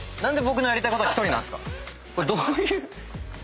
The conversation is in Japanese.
これどういう。